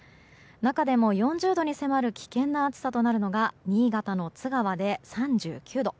中でも４０度に迫る危険な暑さとなるのが新潟の津川で３９度。